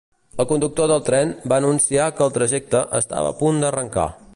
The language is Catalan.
El conductor del tren va anunciar que el trajecte estava a punt d'arrencar.